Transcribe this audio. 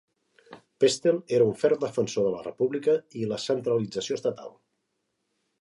Pestel era un ferm defensor de la república i la centralització estatal.